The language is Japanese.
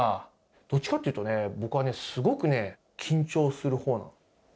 どっちかっていうとね、僕はね、すごくね、緊張するほうなの。